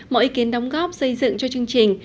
mọi ý kiến đóng góp xây dựng cho chương trình